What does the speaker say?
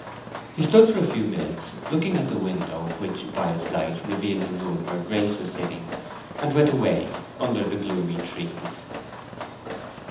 He stood for a few minutes looking at the window which by its light revealed the room where Grace was sitting, and went away under the gloomy trees.